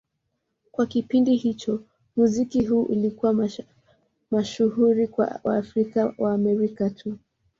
Kwa kipindi hicho, muziki huu ulikuwa mashuhuri kwa Waafrika-Waamerika tu.